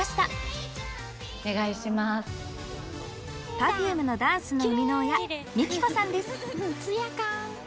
Ｐｅｒｆｕｍｅのダンスの生みの親ＭＩＫＩＫＯさんです！